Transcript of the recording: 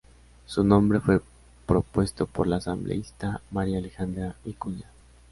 Su nombre fue propuesto por la asambleísta María Alejandra Vicuña.